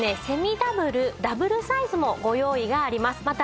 セミダブル・ダブルサイズもご用意があります。